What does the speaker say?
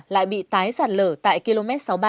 lại bị tái sạt lở tại km sáu mươi ba